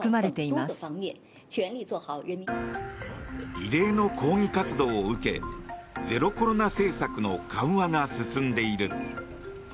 異例の抗議活動を受けゼロコロナ政策の緩和が進んでいる。